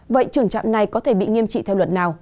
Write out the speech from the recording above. vậy trưởng trạm này có thể bị nghiêm trị theo luật nào